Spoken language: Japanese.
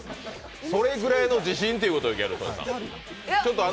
それぐらいの自信っていうことなんですよ、ギャル曽根さん。